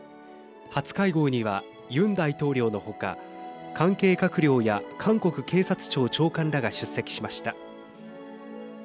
初会合には、ユン大統領の他関係閣僚や韓国警察庁長官らが出席しました。